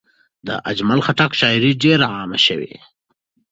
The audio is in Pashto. د اجمل خټک شاعري ډېر عامه شوه.